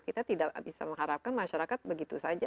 kita tidak bisa mengharapkan masyarakat begitu saja